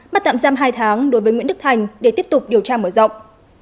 bắt tạm giam hai tháng đối với nguyễn đức thành để tiếp tục điều tra mở rộng